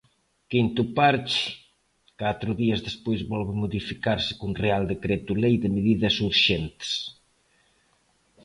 Quinto parche, catro días despois volve modificarse nun real decreto lei de medidas urxentes.